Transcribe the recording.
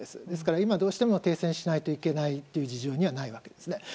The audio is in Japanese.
ですから今どうしても停戦しないといけない状況にはないんですね。